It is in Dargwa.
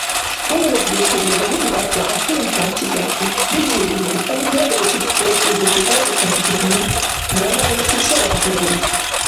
Школала директорли багьуди-бяркъла гӀяхӀтигъунти хӀянчизарти, белчӀудилизиб, олимпиадабачиб, спортлизиб декӀарбухъунти дурхӀни грамотабачил шабагъатлабариб.